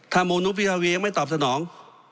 ถ้าโมนุพิราวียังไม่ตอบสนอง